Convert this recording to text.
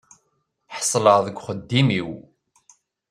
Ḥeṣleɣ deg uxeddim-iw.